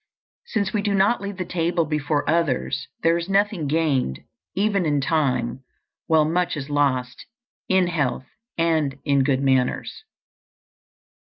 Since we do not leave the table before others, there is nothing gained, even in time, while much is lost in health and in good manners.